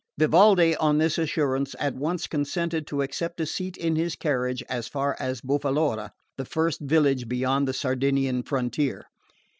Vivaldi on this assurance at once consented to accept a seat in his carriage as far as Boffalora, the first village beyond the Sardinian frontier.